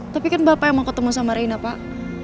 tapi kan bapak yang mau ketemu sama rina pak